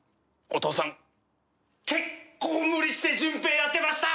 お父さん結構無理して純平やってました！